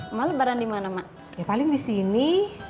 amal baramati mana mak ya paling di sini